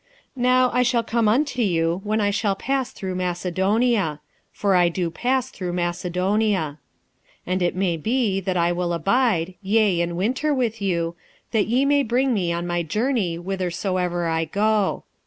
46:016:005 Now I will come unto you, when I shall pass through Macedonia: for I do pass through Macedonia. 46:016:006 And it may be that I will abide, yea, and winter with you, that ye may bring me on my journey whithersoever I go.